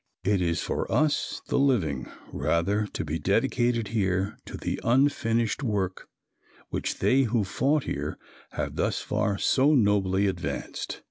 It is for us, the living, rather, to be dedicated here to the unfinished work which they who fought here have thus far so nobly advanced.